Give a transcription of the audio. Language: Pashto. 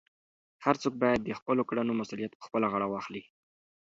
هر څوک باید د خپلو کړنو مسؤلیت په خپله غاړه واخلي.